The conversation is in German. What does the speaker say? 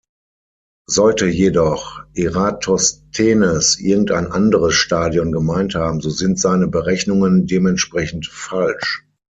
Sollte jedoch Eratosthenes irgendein „anderes Stadion“ gemeint haben, so sind seine Berechnungen dementsprechend falsch.